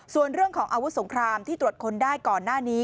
ส่วนเรื่องของอาวุธสงครามที่ตรวจค้นได้ก่อนหน้านี้